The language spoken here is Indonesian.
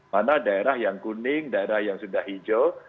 mana daerah yang kuning daerah yang sudah hijau